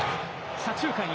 左中間へ。